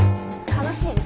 悲しいです。